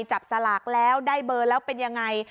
จับสลากแล้วได้เบอร์แล้วเป็นยังไง